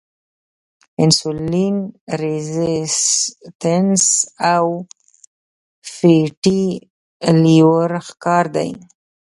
انسولین ريزسټنس او فېټي لیور ښکار دي -